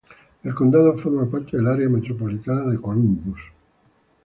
El condado forma parte del área metropolitana de Columbus.